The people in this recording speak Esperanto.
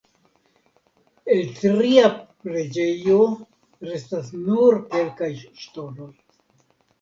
El tria preĝejo restas nur kelkaj ŝtonoj.